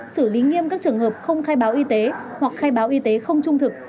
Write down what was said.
xử lý nghiêm các trường hợp không khai báo y tế hoặc khai báo y tế không trung thực